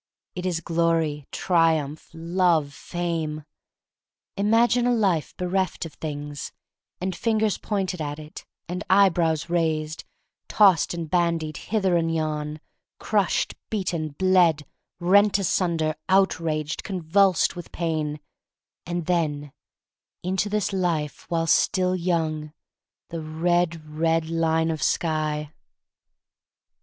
It is Glory, Triumph, Love, Fame! Imagine a life bereft of things, and fingers pointed at it, and eyebrows raised; tossed and bandied hither and yon; crushed, beaten, bled, rent asun der, outraged, convulsed with pain; and then, into this life while still young, the red, red line of sky!